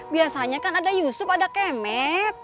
biasanya kan ada yusuf ada kemet